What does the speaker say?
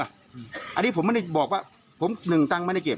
อันนี้ผมไม่ได้บอกว่าผมหนึ่งตังค์ไม่ได้เก็บ